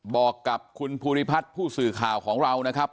บอกกับคุณภูริพัฒน์ผู้สื่อข่าวของเรานะครับ